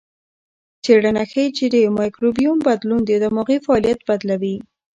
څېړنه ښيي چې د مایکروبیوم بدلون دماغي فعالیت بدلوي.